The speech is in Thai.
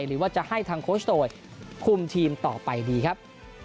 หรือว่าจะให้ทางโคชโตยคุมทีมต่อไปดีครับ